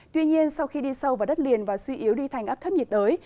tuy nhiên sau khi đi sâu vào đất liền và suy yếu đi thành áp thấp nhiệt đới